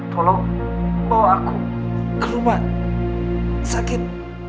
tolong bawa aku ke rumah sakit